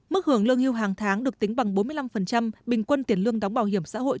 mức hưởng lương hưu hàng tháng được tính bằng bốn mươi năm bình quân tiền lương đóng bảo hiểm xã hội